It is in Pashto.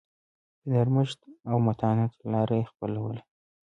د نرمښت او متانت لار یې خپلوله.